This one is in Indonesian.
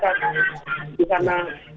bangsa kita karena sudah di politik